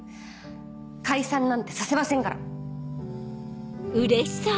解散なんてさせませんから。